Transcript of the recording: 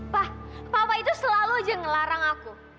wah papa itu selalu aja ngelarang aku